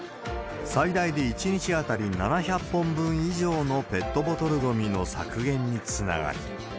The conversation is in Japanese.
最大で１日当たり７００本分以上のペットボトルごみの削減につながる。